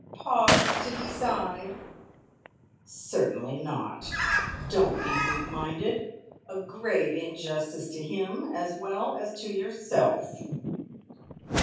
Pause to decide. Certainly not! Don't be weak minded. A grave injustice to him, as well as to yourself.